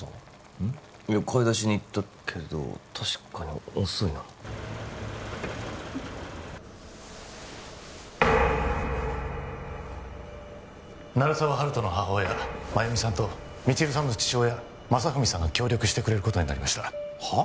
うん？いや買い出しに行ったけど確かに遅いな鳴沢温人の母親・麻由美さんと未知留さんの父親・正文さんが協力してくれることになりましたはっ？